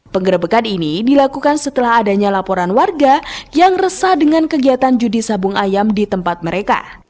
penggerebekan ini dilakukan setelah adanya laporan warga yang resah dengan kegiatan judi sabung ayam di tempat mereka